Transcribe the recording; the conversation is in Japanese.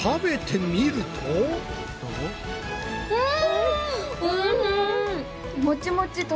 うん！